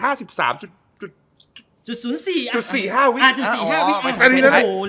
๐๔อ่ะอ่ะจุด๔๕วิทยาลัย